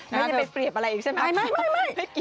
แล้วจะไปเปรียบอะไรอีกใช่มะ